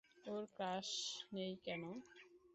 ওর crush নেই কোনো।